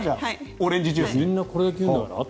オレンジジュースで。